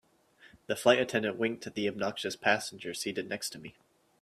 The flight attendant winked at the obnoxious passenger seated next to me.